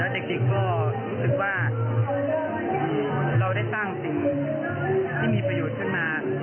เด็กก็รู้สึกว่าเราได้ตั้งสิ่งที่มีประโยชน์ขึ้นมา